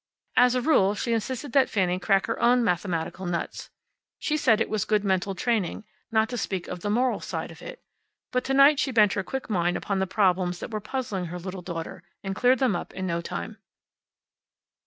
As a rule she insisted that Fanny crack her own mathematical nuts. She said it was good mental training, not to speak of the moral side of it. But to night she bent her quick mind upon the problems that were puzzling her little daughter, and cleared them up in no time.